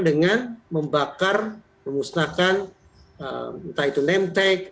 dengan membakar memusnahkan entah itu nemtek